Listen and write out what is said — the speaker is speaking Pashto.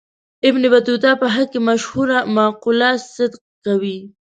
ابن بطوطه په حق کې مشهوره مقوله صدق کوي.